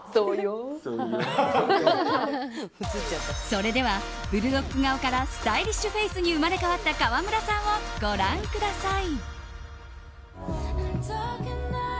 それでは、ブルドッグ顔からスタイリッシュフェースに生まれ変わった川村さんをご覧ください。